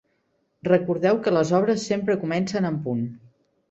Recordeu que les obres sempre comencen en punt.